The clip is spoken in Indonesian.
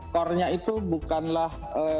core nya itu bukanlah